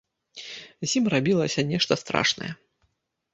З ім рабілася нешта страшнае.